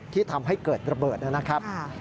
ที่ทำให้เกิดระเบิดนะครับ